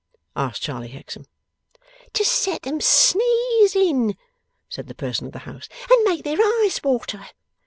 asked Charley Hexam. 'To set 'em sneezing,' said the person of the house, 'and make their eyes water.